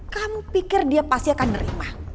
kamu pikir dia pasti akan nerima